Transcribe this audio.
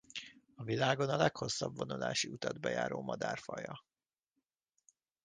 A világon a leghosszabb vonulási utat bejáró madárfaja.